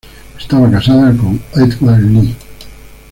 Estaba casada con Edward Lee.